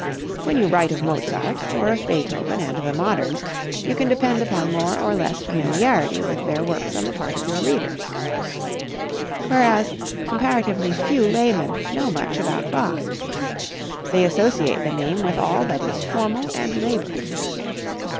When you write of Mozart, or of Beethoven and the moderns, you can depend upon more or less familiarity with their works on the part of your readers, whereas, comparatively few laymen know much about Bach. They associate the name with all that is formal and labored.